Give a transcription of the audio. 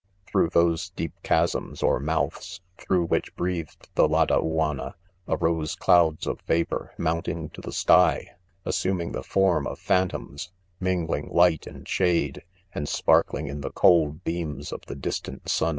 ■ f ■,£ Through those deep chasms or mouths*. through which breathed, the Ladauanna, arose clouds of vapor, mounting to the sky, — assum ing the form of phantoms j — mingling light and shade, — and sparkling in the cold beams of the distant sun